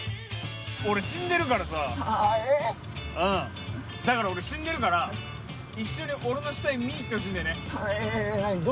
俺死んでるからさ、だから俺、死んでるから、一緒に俺の死体を見に行ってほしいんだよね。